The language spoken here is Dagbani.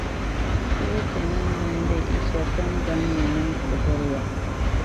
Cheechinim’ din be Ɛsha tiŋgbɔŋ ni nima puhiri ya.